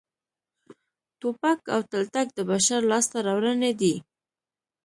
ټوپک او تلتک د بشر لاسته راوړنې دي